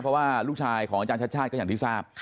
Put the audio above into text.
เพราะว่าลูกชายของอาจารย์ชาติชาติก็อย่างที่ทราบ